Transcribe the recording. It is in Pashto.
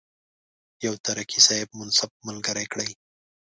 یو ترکي صاحب منصب ملګری کړي.